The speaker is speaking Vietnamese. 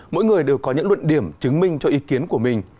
mỗi người đều có những luận điểm chứng minh cho ý kiến của mình